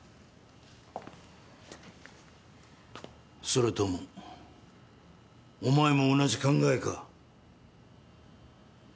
それともお前も同じ考えか？